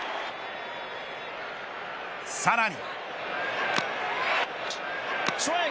さらに。